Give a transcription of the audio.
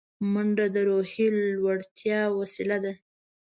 منډه د روحیې لوړتیا وسیله ده